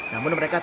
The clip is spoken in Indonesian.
namun mereka tetap